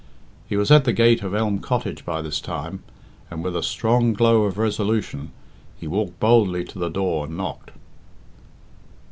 He was at the gate of Elm Cottage by this time, and, with a strong glow of resolution, he walked boldly to the door and knocked.